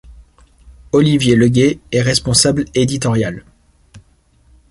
Olivier Le Guay est responsable éditorial.